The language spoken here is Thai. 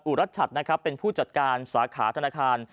อุรัชชัดเป็นผู้จัดการสาขาธนาคาร